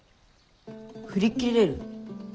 振り切れる？